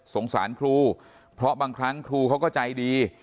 สารครูเพราะบางครั้งครูเขาก็ใจดี